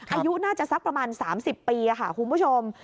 อายุน่าจะสักประมาณ๓๐ปีค่ะคุณผู้ชม